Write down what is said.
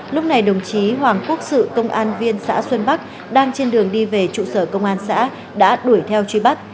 lúc này đồng chí hoàng quốc sự công an viên xã xuân bắc đang trên đường đi về trụ sở công an xã đã đuổi theo truy bắt